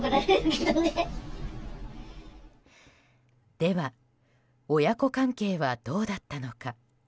では、親子関係はどうだったのか。